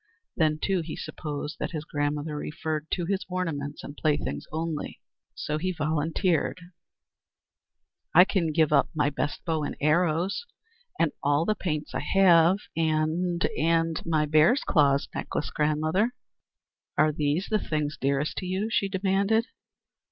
Then, too, he supposed that his grandmother referred to his ornaments and playthings only. So he volunteered: "I can give up my best bow and arrows, and all the paints I have, and and my bear's claws necklace, grandmother!" "Are these the things dearest to you?" she demanded.